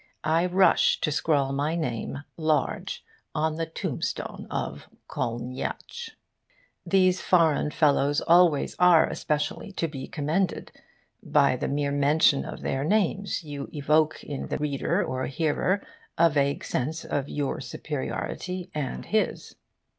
I rush to scrawl my name, large, on the tombstone of Kolniyatsch. These foreign fellows always are especially to be commended. By the mere mention of their names you evoke in reader or hearer a vague sense of your superiority and his.